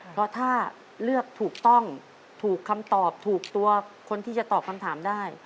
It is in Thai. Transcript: เพราะถ้าเลือกถูกต้องถูกคำตอบถูกตัวคนที่จะตอบคำถามได้